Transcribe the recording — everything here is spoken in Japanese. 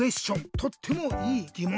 とってもいいぎもんだね。